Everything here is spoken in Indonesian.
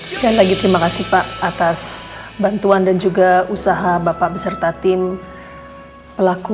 sekali lagi terima kasih pak atas bantuan dan juga usaha bapak beserta tim pelaku